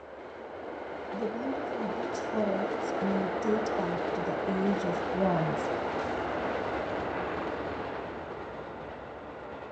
The beautiful beech forests may date back to the Age of Bronze.